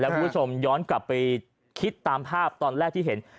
คุณผู้ชมย้อนกลับไปคิดตามภาพตอนแรกที่เห็น